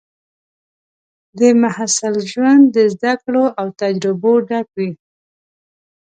د محصل ژوند د زده کړو او تجربو ډک وي.